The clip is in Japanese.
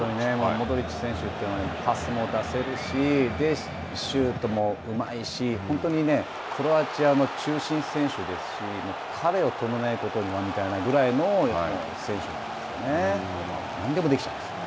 モドリッチ選手というのは、パスも出せるし、シュートもうまいし、本当にね、クロアチアの中心選手ですし、彼を止めないことにはというぐらいの選手なんですよね。